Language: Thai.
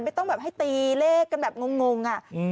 ไม่ต้องแบบให้ตีเลขกันแบบงงอ่ะ